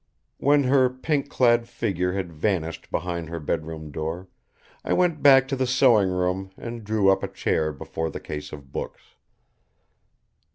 When her pink clad figure had vanished behind her bedroom door, I went back to the sewing room and drew up a chair before the case of books.